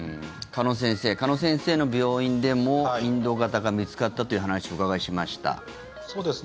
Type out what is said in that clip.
鹿野先生の病院でもインド型が見つかったという話お伺いしました。